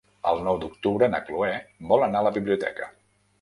El nou d'octubre na Chloé vol anar a la biblioteca.